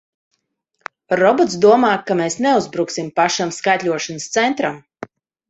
Robots domā, ka mēs neuzbruksim pašam skaitļošanas centram!